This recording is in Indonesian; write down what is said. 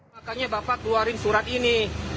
makanya bapak keluarin surat ini